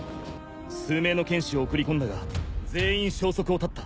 数名の剣士を送り込んだが全員消息を絶った。